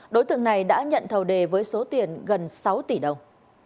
đối tượng này đã nhận thầu đề với số tiền gần sáu tỷ đồng